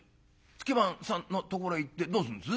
「月番さんのところへ行ってどうすんです？」。